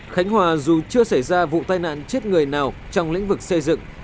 khánh hòa dù chưa xảy ra vụ tai nạn chết người nào trong lĩnh vực xây dựng